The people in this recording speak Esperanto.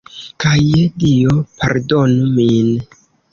Kaj, je dio, pardonu min.